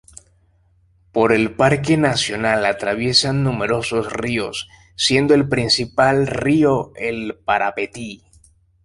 Por el parque nacional atraviesan numerosos ríos, siendo el principal río el Parapetí.